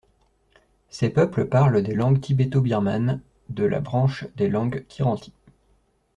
Ces peuples parlent des langues tibéto-birmanes de la branche des langues kiranti.